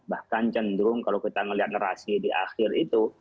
bahkan cenderung kalau kita melihat narasi di akhir itu